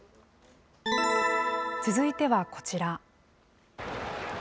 続いてはこちら。